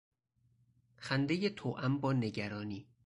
خندهی توام با نگرانی